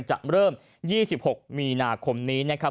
จะเริ่ม๒๖มีนาคมนี้นะครับ